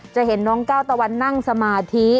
จะเห็นน้องก้าวตะวันนั่งสมาธิ